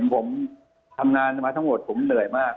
ผมทำงานมาทั้งหมดผมเหนื่อยมาก